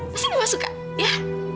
pasti mama suka ya